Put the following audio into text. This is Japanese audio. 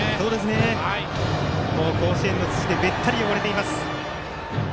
甲子園の土でべったり汚れています。